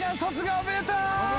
おめでとう！